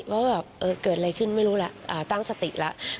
ว่าแบบเกิดอะไรขึ้นไม่รู้แล้วตั้งสติแล้ว